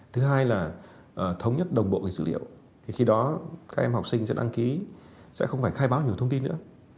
thứ hai là thống nhất đồng bộ dữ liệu thì khi đó các em học sinh sẽ đăng ký sẽ không phải khai báo nhiều thông tin nữa